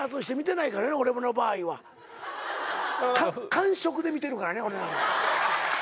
感触で見てるからね俺なんか。